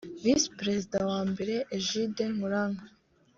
Visi Perezida wa mbere Egide Nkuranga